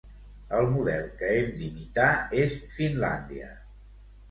El model que hem d'imitar és Finlàndia.